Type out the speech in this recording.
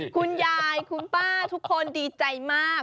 คุณป้าทุกคนดีใจมาก